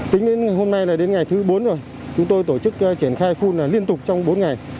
tính đến hôm nay là đến ngày thứ bốn rồi chúng tôi tổ chức triển khai phun liên tục trong bốn ngày